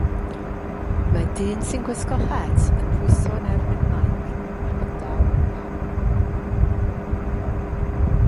Mae dyn sy'n gwisgo het yn pwyso yn erbyn mainc ac yn dal cwpan.